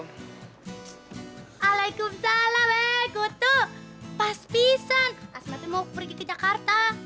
waalaikumsalam weh kutu pas pisan asma tuh mau pergi ke jakarta